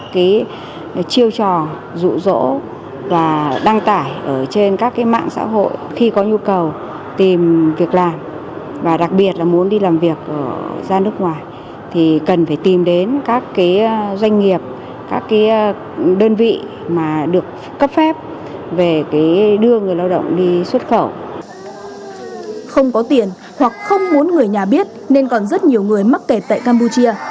không có tiền hoặc không muốn người nhà biết nên còn rất nhiều người mắc kẹt tại campuchia